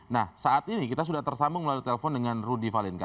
nah saat ini kita sudah tersambung melalui telepon dengan rudy valinka